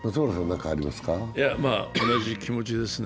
同じ気持ちですね。